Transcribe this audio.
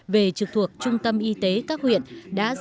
về trực thuộc các trạm y tế xã thị trấn trực thuộc ủy ban nhân dân các huyện